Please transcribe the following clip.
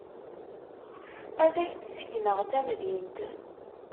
Ad ak-d-sekneɣ tamdint.